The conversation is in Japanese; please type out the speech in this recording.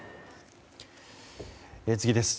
次です。